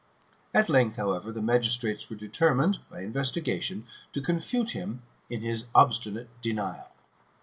At length, however, the magistrates were deter mined, by investigation, to confute him in his obstinate denial.